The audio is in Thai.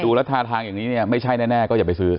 ดูแล้วทางอย่างนี้ไม่ใช่แน่ก็อย่าไปซื้อ